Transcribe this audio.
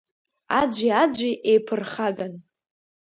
Аӡәи аӡәи еиԥырхаган.